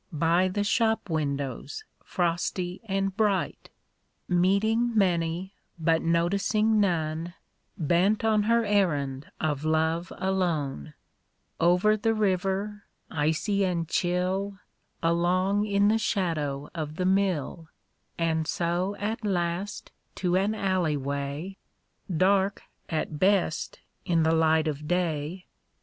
By the shop windows frosty and bright, Meeting many but noticing none Bent on her errand of love alone, (41) 42 THE baby's things. Over the river, icy and chill, Along in the shadow of the mill, And so at last to an alley way, Dark at best in the light of day.